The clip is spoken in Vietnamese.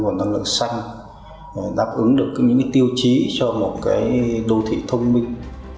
nguồn năng lượng xanh đáp ứng được những cái tiêu chí cho một cái đô thị thông minh